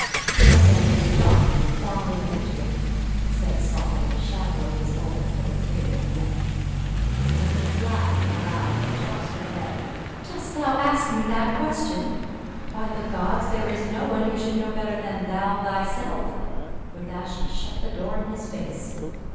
" Where then is John, who formerly lived here ?" SAUL IN JERUSALEM. 133 said Saul with a shadow of his old authoritative man ner. The woman laughed aloud and tossed her head. " Dost thou ask me that question ? By the gods, there is no one who should know better than thou thyself." With that she shut the door in his face.